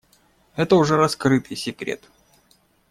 Это уже раскрытый секрет.